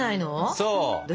そう。